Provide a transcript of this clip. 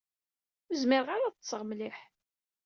Ur zmireɣ ara ad ṭṭseɣ mliḥ.